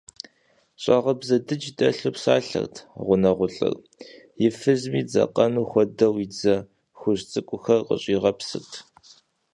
Щӏагъыбзэ дыдж щӏэлъу псалъэрт гъунэгъулӏыр, и фызми дзакъэнум хуэдэу и дзэ хужь цӏыкӏухэр къыщӏигъэпсырт.